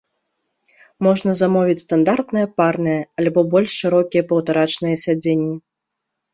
Можна замовіць стандартныя парныя, альбо больш шырокія паўтарачныя сядзенні.